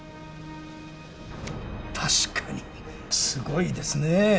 確かにすごいですねぇ。